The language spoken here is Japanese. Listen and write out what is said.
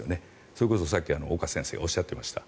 それこそさっきの岡先生がおっしゃってました。